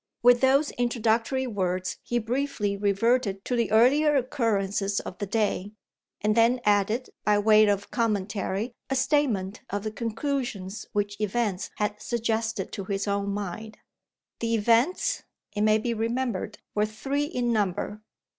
With those introductory words, he briefly reverted to the earlier occurrences of the day, and then added, by way of commentary, a statement of the conclusions which events had suggested to his own mind. The events, it may be remembered, were three in number.